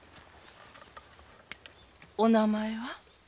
お名前は？